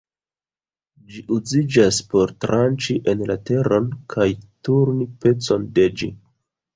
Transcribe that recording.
Ĝi uziĝas por tranĉi en la teron kaj turni pecon de ĝi.